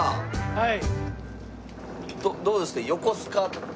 はい。